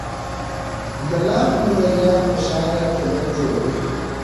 د لاک نظریه خوشحاله ټولنه جوړوي.